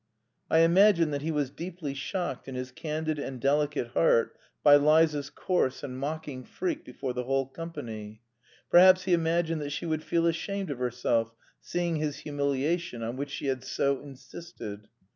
I imagine that he was deeply shocked in his candid and delicate heart by Liza's coarse and mocking freak before the whole company. Perhaps he imagined that she would feel ashamed of herself, seeing his humiliation, on which she had so insisted.